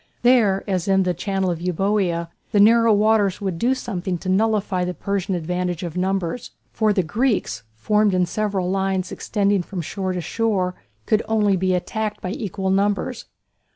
There, as in the channel of Euboea, the narrow waters would do something to nullify the Persian advantage of numbers. For the Greeks, formed in several lines extending from shore to shore, could only be attacked by equal numbers.